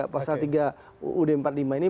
pasal tiga uud empat puluh lima ini